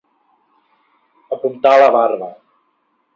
Apuntar la barba.